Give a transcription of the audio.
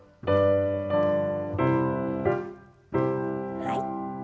はい。